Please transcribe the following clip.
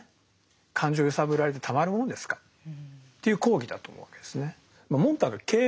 感情を揺さぶられてたまるものですかという抗議だと思うわけですね。